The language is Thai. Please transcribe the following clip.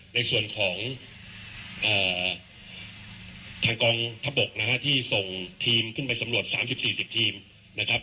ในส่วนของเอ่อทางกองทับบกนะฮะที่ส่งทีมขึ้นไปสำรวจสามสิบสี่สิบทีมนะครับ